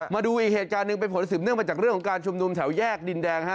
มาดูอีกเหตุการณ์หนึ่งเป็นผลสืบเนื่องมาจากเรื่องของการชุมนุมแถวแยกดินแดง